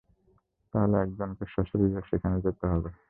তাহলে, একজনকে স্বশরীরে সেখানে যেতে হবে।